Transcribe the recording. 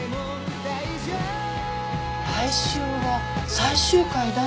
「来週は最終回だ」